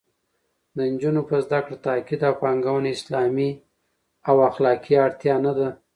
د نجونو په زده کړه تاکید او پانګونه اسلامي او اخلاقي اړتیا نه ده